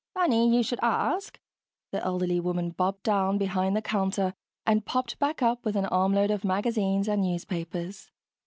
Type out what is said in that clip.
"Funny you should ask." The elderly woman bobbed down behind the counter and popped back up with an armload of magazines and newspapers.